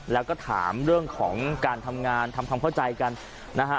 แล้วก็ถามเรื่องของการทำงานทำความเข้าใจกันนะฮะ